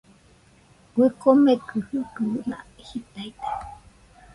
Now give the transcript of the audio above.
Kue komekɨ jɨgɨna jitaide.